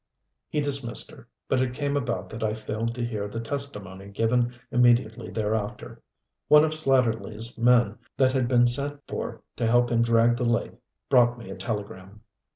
He dismissed her, but it came about that I failed to hear the testimony given immediately thereafter. One of Slatterly's men that had been sent for to help him drag the lake brought me in a telegram.